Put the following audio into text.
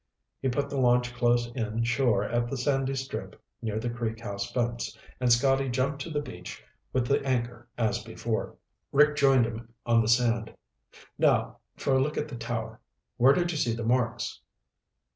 He put the launch close in shore at the sandy strip near the Creek House fence, and Scotty jumped to the beach with the anchor as before. Rick joined him on the sand. "Now for a look at the tower. Where did you see the marks?"